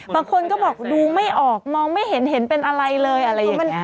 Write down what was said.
บางคนก็บอกดูไม่ออกมองไม่เห็นเห็นเป็นอะไรเลยอะไรอย่างนี้